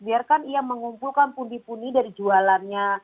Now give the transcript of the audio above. biarkan ia mengumpulkan pundi pundi dari jualannya